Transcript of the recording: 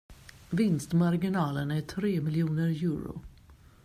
Vinstmarginalen är tre miljoner euro!